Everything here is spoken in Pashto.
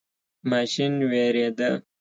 ماشین ویریده.